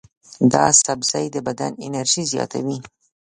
دا سبزی د بدن انرژي زیاتوي.